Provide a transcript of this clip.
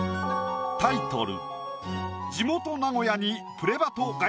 タイトル